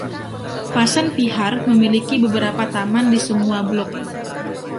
Vasant Vihar memiliki beberapa taman di semua blok.